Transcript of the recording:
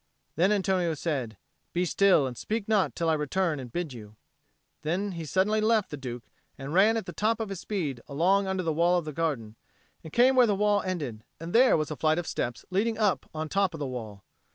Then Antonio said, "Be still and speak not till I return and bid you;" and he suddenly left the Duke and ran at the top of his speed along under the wall of the garden, and came where the wall ended; and there was a flight of steps leading up on to the top of the wall.